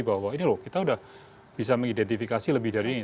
bahwa ini loh kita sudah bisa mengidentifikasi lebih dari ini